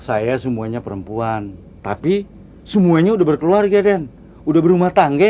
saya semuanya perempuan tapi semuanya udah berkeluarga dan udah berumah tangga